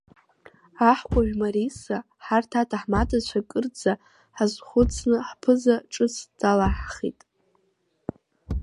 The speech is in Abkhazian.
Аҳкәажә Мариса, ҳарҭ аҭаҳмадцәа кырӡа ҳазхәыцны ҳԥыза ҿыц далаҳхит!